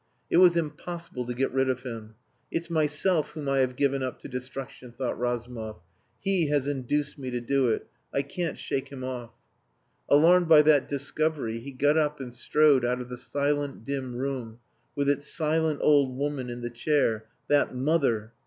It was impossible to get rid of him. "It's myself whom I have given up to destruction," thought Razumov. "He has induced me to do it. I can't shake him off." Alarmed by that discovery, he got up and strode out of the silent, dim room with its silent old woman in the chair, that mother!